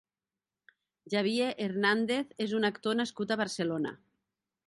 Javier Hernández és un actor nascut a Barcelona.